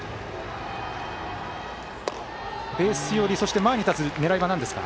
ベース寄り、そして前に立つ狙いは何ですか？